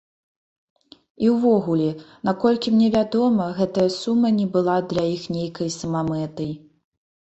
І ўвогуле, наколькі мне вядома, гэтая сума не была для іх нейкай самамэтай.